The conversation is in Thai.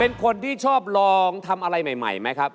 เป็นคนที่ชอบลองทำอะไรใหม่ไหมครับ